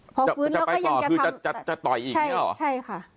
พอฟื้นแล้วก็ยังจะทำจะไปต่อคือจะจะจะต่อยอีกเนี้ยเหรอใช่ค่ะ